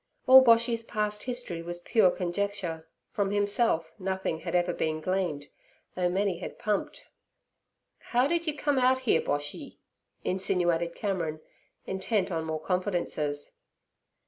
All Boshy's past history was pure conjecture; from himself nothing had ever been gleaned, though many had pumped. 'How did you come out here, Boshy?' insinuated Cameron, intent on more confidences.